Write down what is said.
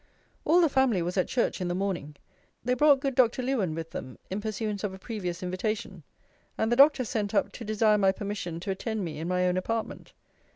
All the family was at church in the morning. They brought good Dr. Lewen with them, in pursuance of a previous invitation. And the doctor sent up to desire my permission to attend me in my own apartment.